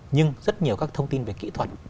nhưng rất nhiều các thông tin về kỹ thuật